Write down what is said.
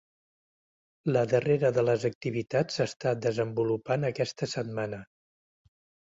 La darrera de les activitats s’està desenvolupant aquesta setmana.